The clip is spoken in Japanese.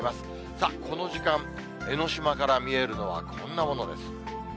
さあ、この時間、江の島から見えるのはこんなものです。